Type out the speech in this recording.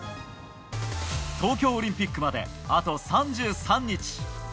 東京オリンピックまであと３３日。